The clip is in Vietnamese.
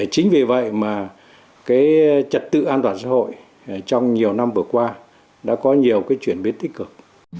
chính vì vậy mà trật tự an toàn xã hội trong nhiều năm vừa qua đã có nhiều cái chuyển biến tích cực